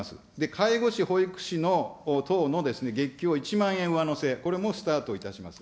介護士、保育士等の、月給を１万円上乗せ、これもスタートいたします。